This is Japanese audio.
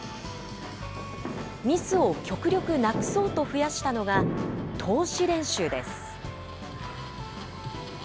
ミスを極力なくそうと増やしたのが、通し練習です。